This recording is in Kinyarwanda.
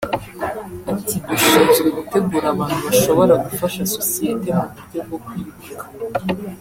Ati “Dushinzwe gutegura abantu bashobora gufasha sosiyete mu buryo bwo kwiyubaka